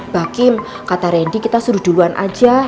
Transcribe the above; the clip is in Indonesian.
bakim kata randy kita suruh duluan aja